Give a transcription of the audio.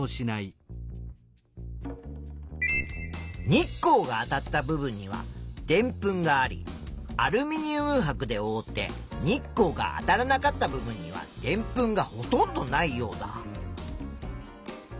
日光があたった部分にはでんぷんがありアルミニウムはくでおおって日光があたらなかった部分にはでんぷんがほとんどないヨウダ。